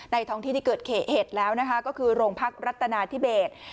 ในท้องที่เกิดเหตุแล้วก็คือโรงพักรัฐนาธิเบต